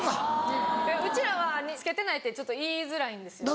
うちらはつけてないって言いづらいんですよね。